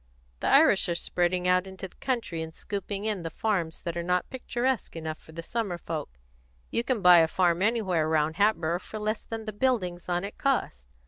The Irish are spreading out into the country and scooping in the farms that are not picturesque enough for the summer folks. You can buy a farm anywhere round Hatboro' for less than the buildings on it cost.